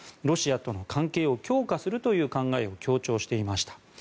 ロシアとの関係を強化するという考えを強調していました。